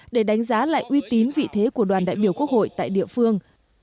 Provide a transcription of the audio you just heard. để đánh giá lại uy tín vị thế của đoàn đại biểu quốc hội tại địa phương